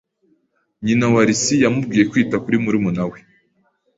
Nyina wa Lucy yamubwiye kwita kuri murumuna we.